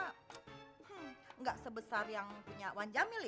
hmm nggak sebesar yang punya wan jamil ya